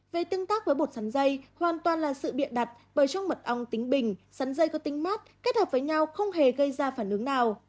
về tương tác với bột sắn dây hoàn toàn là sự biện đặt bởi trong mật ong tính bình sắn dây có tính mát kết hợp với nhau không hề gây ra phản ứng nào